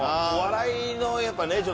お笑いのやっぱね